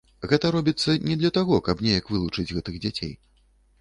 Гэта робіцца не для таго, каб неяк вылучыць гэтых дзяцей.